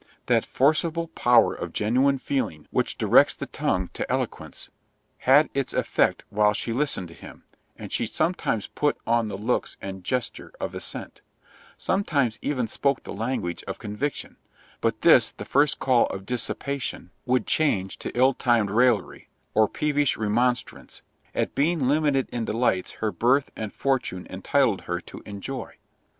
That forcible power of genuine feeling, which directs the tongue to eloquence, had its effect while she listened to him, and she sometimes put on the looks and gesture of assent—sometimes even spoke the language of conviction; but this the first call of dissipation would change to ill timed raillery, or peevish remonstrance, at being limited in delights her birth and fortune entitled her to enjoy.